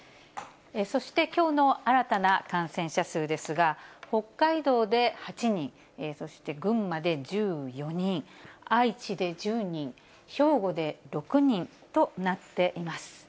そしてきょうの新たな感染者数ですが、北海道で８人、そして群馬で１４人、愛知で１０人、兵庫で６人となっています。